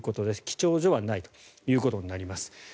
記帳所はないということになります。